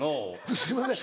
すいません